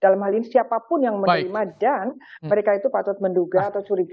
dalam hal ini siapapun yang menerima dan mereka itu patut menduga atau curiga